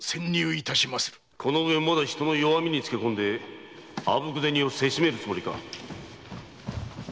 ・この上まだ人の弱みにつけ込みあぶく銭をせしめる気か！？